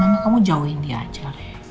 menurut mama kamu jauhin dia aja re